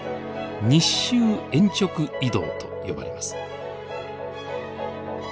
日周鉛直移動と呼ばれます。